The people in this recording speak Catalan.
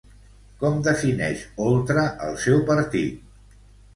Com defineix Oltra el seu partit?